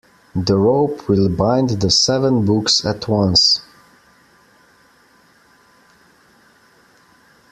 The rope will bind the seven books at once.